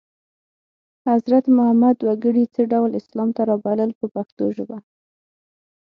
حضرت محمد وګړي څه ډول اسلام ته رابلل په پښتو ژبه.